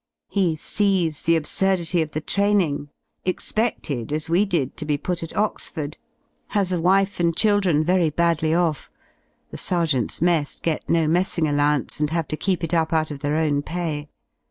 He sees the absurdity of the training, expefted, as we did, to be put at Oxford, has a wife and children very badly off (the Sergeants* mess get no messiog allowance, and have to keep it up out of their own pay).